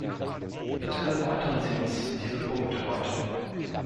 Bitte erläutern Sie uns diese Punkte heute.